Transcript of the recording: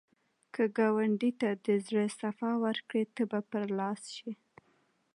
که ګاونډي ته د زړه صفا ورکړې، ته به برلاسی شې